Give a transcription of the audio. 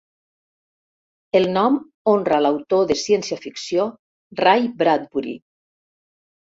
El nom honra l'autor de ciència-ficció Ray Bradbury.